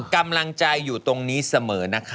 กำลังใจอยู่ตรงนี้เสมอนะคะ